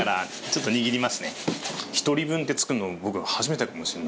１人分って作るの僕初めてかもしれないな。